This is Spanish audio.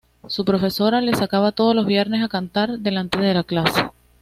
Su profesora la sacaba todos los viernes a cantar delante de la clase.